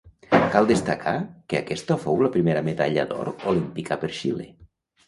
Cal destacar que aquesta fou la primera medalla d'or olímpica per Xile.